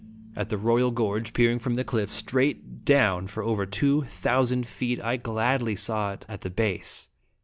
At the Royal Gorge, peering from the cliff straight down for over two thousand feet, I gladly saw It at the base.